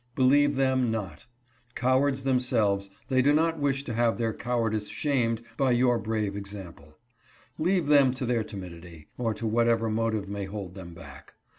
Believe them not ; cowards themselves, they do not wish to have their cowardice shamed by your brave example. Leave them to their timidity, or to whatever motive may hold them back.